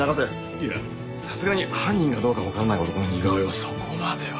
いやさすがに犯人かどうか分からない男の似顔絵をそこまでは。